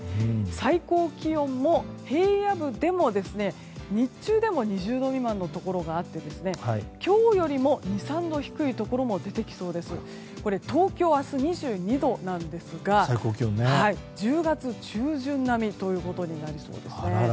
最高気温も平野部でも日中でも２０度未満のところがあって今日よりも２３度低いところも出て起訴づ東京、明日最高気温が２２度なんですが１０月中旬並みとなりそうです。